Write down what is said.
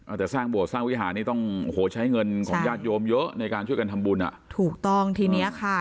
จะสร้างโบสถสร้างวิหารนี่ต้องโอ้โหใช้เงินของญาติโยมเยอะในการช่วยกันทำบุญอ่ะถูกต้องทีเนี้ยค่ะ